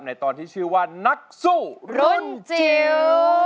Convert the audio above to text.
ในตอนที่ชื่อว่านักสู้รุ่นจิ๋ว